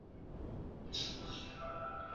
কিন্তু আপনি তো আছেন।